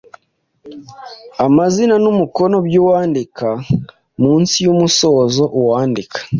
Amazina n’umukono by’uwandika: Munsi y’umusozo uwandika,